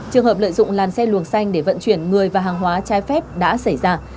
trường hợp lợi dụng làn xe luồng xanh để vận chuyển người và hàng hóa trái phép đã xảy ra